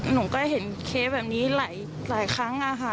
หนูก็เห็นเคสแบบนี้หลายครั้งอะค่ะ